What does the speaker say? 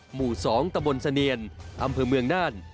หมู่๒ตะบนเสนียนอำเภอเมืองน่าน